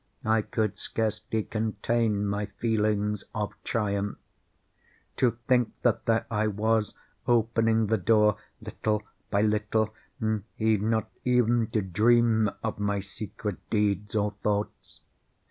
I could scarcely contain my feelings of triumph. To think that there I was, opening the door, little by little, and he not even to dream of my secret deeds or thoughts.